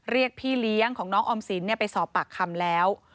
เรียกพี่เลี้ยงของน้องออมสินไปสอบปากคำแล้ว